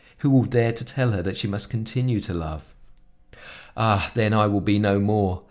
Who will dare to tell her that she must continue to love? Ah! then I will be no more!